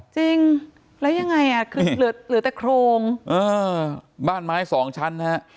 จริงแล้วยังไงอ่ะคือเหลือแต่โครงบ้านไม้สองชั้นฮะ